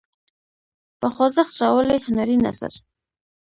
په خوځښت راولي هنري نثر.